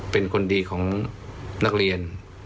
เป็นคนดีของนักเรียน